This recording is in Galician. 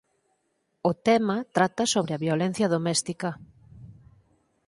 O tema trata sobre a violencia doméstica.